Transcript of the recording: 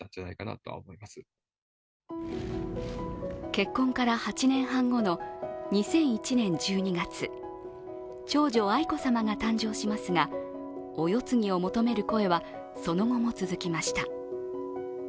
結婚から８年半後の２００１年１２月、長女・愛子さまが誕生しますがお世継ぎを求める声はその後も続きました。